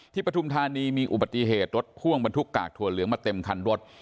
ปฐุมธานีมีอุบัติเหตุรถพ่วงบรรทุกกากถั่วเหลืองมาเต็มคันรถ